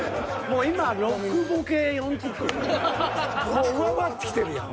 もう上回ってきてるやん。